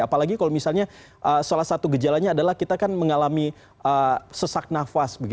apalagi kalau misalnya salah satu gejalanya adalah kita kan mengalami sesak nafas